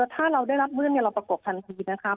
ถ้าเราได้รับเรื่องเราประกบทันทีนะคะ